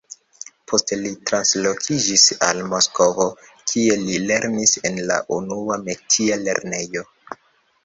Poste li translokiĝis al Moskvo, kie li lernis en la Unua Metia lernejo.